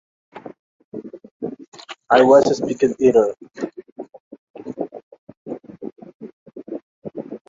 Los únicos medios prácticos para llegar al parque son el hidroavión y el helicóptero.